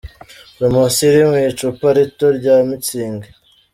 Promotion iri mu icupa rito rya mutzig.